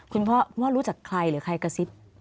คุณพ่อว่ารู้จักใครหรือใครกระซิบ